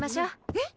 えっ？